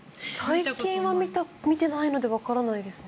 最近は見てないのでわからないですね。